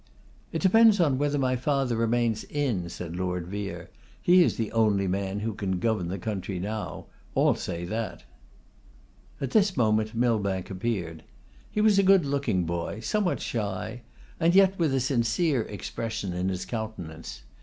'It depends on whether my father remains in,' said Lord Vere. 'He is the only man who can govern the country now. All say that.' At this moment Millbank entered. He was a good looking boy, somewhat shy, and yet with a sincere expression in his countenance.